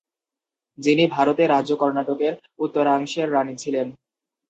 যিনি ভারতে রাজ্য কর্ণাটকের উত্তরাংশের রাণী ছিলেন।